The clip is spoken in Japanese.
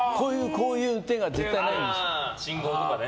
こういう運転が絶対ないんですよ。